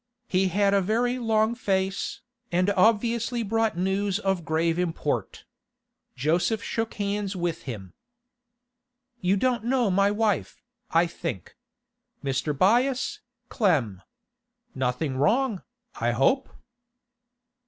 He had a very long face, and obviously brought news of grave import. Joseph shook hands with him. 'You don't know my wife, I think. Mr. Byass, Clem. Nothing wrong, I hope?